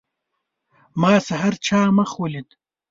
ما سحر چا مخ ولید.